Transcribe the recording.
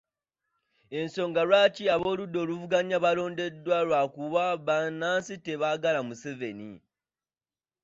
Ensonga lwaki ab’oludda oluvuganya baalondeddwa lwakuba bannansi tebaagala Museveni .